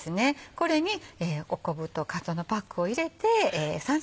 これに昆布とかつおのパックを入れて。